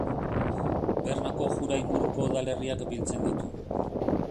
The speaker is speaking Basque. Bernako Jura inguruko udalerriak biltzen ditu.